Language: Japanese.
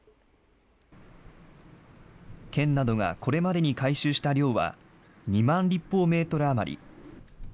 県などがこれまでに回収した量は、２万立方メートル余り。